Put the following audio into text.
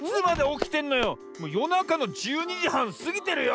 もうよなかの１２じはんすぎてるよ！